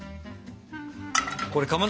これかま